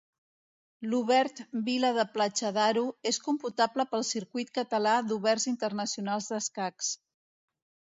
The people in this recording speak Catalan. L'Obert Vila de Platja d'Aro és computable pel Circuit Català d'Oberts Internacionals d'Escacs.